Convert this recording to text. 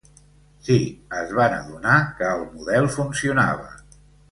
Sí, es van adonar que el model funcionava.